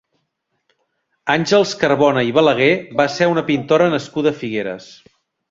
Àngels Carbona i Balaguer va ser una pintora nascuda a Figueres.